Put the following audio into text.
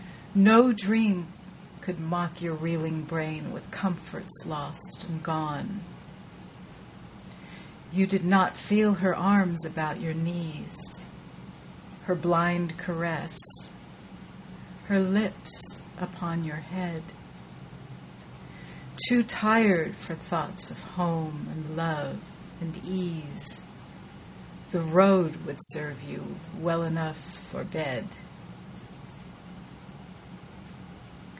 No dream could mock Your reeling brain with comforts lost and gone. You did not feel her arms about your knees, Her blind caress, her lips upon your head: Too tired for thoughts of home and love and ease, The road would serve you well enough for bed.